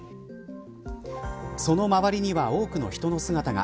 その周りには多くの人の姿が。